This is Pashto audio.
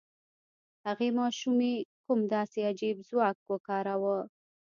هغې ماشومې کوم داسې عجيب ځواک وکاراوه؟